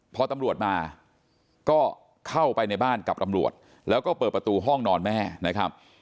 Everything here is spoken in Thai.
พอตำรวจมาก็เข้าไปในบ้านกับตำรวจแล้วก็เปิดประตูห้องนอนแม่นะครับ